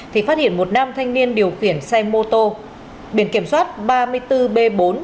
thì phát hiện một nam thanh niên điều khiển xe mô tô biển kiểm soát ba mươi bốn b bốn trăm linh chín nghìn bốn trăm chín mươi hai